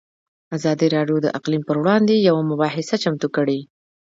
ازادي راډیو د اقلیم پر وړاندې یوه مباحثه چمتو کړې.